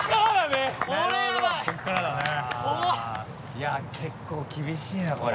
いや結構厳しいなこれ。